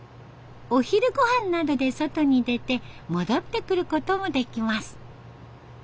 お昼御飯などで外に出て戻ってくることもできます。